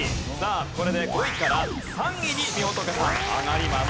これで５位から３位にみほとけさん上がります。